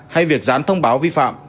hay việc gián thông báo vi phạm